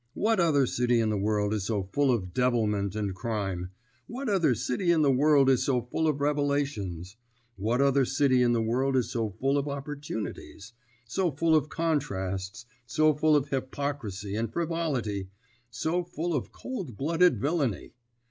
What other city in the world is so full of devilment and crime; what other city in the world is so full of revelations; what other city in the world is so full of opportunities, so full of contrasts, so full of hypocrisy and frivolity, so full of cold blooded villainy?